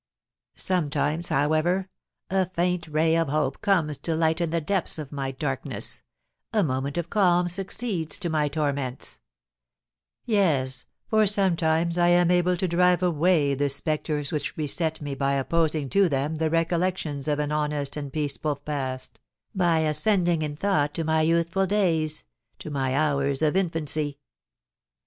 Sometimes, however, a faint ray of hope comes to lighten the depth of my darkness, a moment of calm succeeds to my torments, yes, for sometimes I am able to drive away the spectres which beset me by opposing to them the recollections of an honest and peaceable past, by ascending in thought to my youthful days, to my hours of infancy.